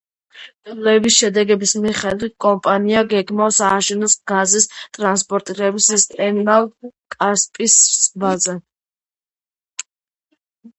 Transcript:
კვლევის შედეგების მიხედვით, კომპანია გეგმავს ააშენოს გაზის ტრანსპორტირების სისტემა კასპიის ზღვაზე.